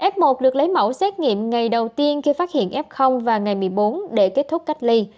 f một được lấy mẫu xét nghiệm ngày đầu tiên khi phát hiện f và ngày một mươi bốn để kết thúc cách ly